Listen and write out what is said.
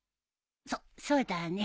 そっそうだね。